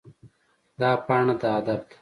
دا پاڼه د ادب ده.